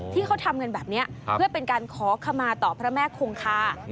ที่เขาทำกันแบบนี้เพื่อเป็นการขอขมาต่อพระแม่คงคา